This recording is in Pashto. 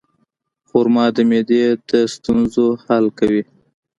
خرما د معدې د ستونزو حل کوي.